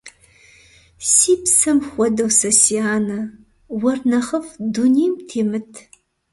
Си псэм хуэдэу сэ си анэ, уэр нэхъыфӀ дунейм темыт.